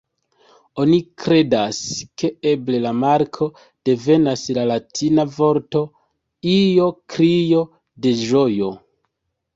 Oni kredas, ke eble la marko devenas la latina vorto "io", krio de ĝojo.